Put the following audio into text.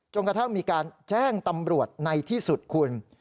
กระทั่งมีการแจ้งตำรวจในที่สุดคุณ